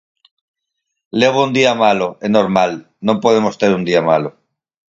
Levo un día malo, é normal, non podemos ter un día malo.